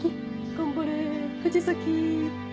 頑張れ藤崎！